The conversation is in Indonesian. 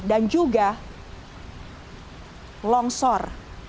dan juga longsor